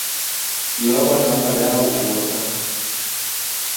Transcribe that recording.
iwapo itampa dau analotaka